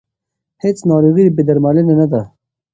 هیڅ ناروغي بې درملنې نه ده.